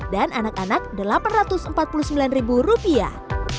dan anak anak delapan ratus empat puluh sembilan rupiah